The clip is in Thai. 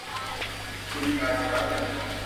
ดุลการชำระเงิน